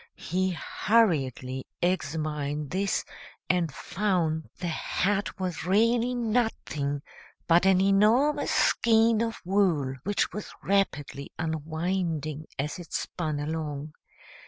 He hurriedly examined this, and found the hat was really nothing but an enormous skein of wool, which was rapidly unwinding as it spun along.